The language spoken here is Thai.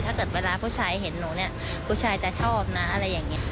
ถ้าเกิดเวลาผู้ชายเห็นหนูเนี่ยผู้ชายจะชอบนะอะไรอย่างนี้ค่ะ